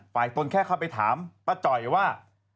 ตนแค่เข้าไปถามป้าจ่อยว่า